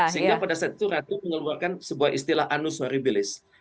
sehingga pada saat itu ratu mengeluarkan sebuah istilah anuswaribilis